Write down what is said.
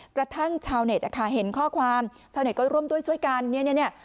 กระทั่งชาวเน็ตนะคะเห็นข้อความชาวเน็ตก็ร่วมด้วยช่วยกันเนี่ย